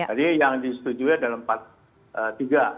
jadi yang disetujui adalah